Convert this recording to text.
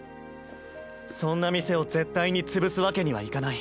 そんな店を絶対に潰すわけにはいかない。